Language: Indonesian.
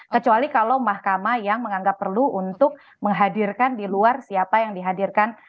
kecuali kalau mahkamah yang menganggap perlu untuk menghadirkan di luar siapa yang dihadirkan